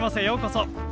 ようこそ。